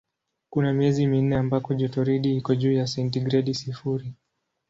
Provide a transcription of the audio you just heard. Kuna miezi minne ambako jotoridi iko juu ya sentigredi sifuri.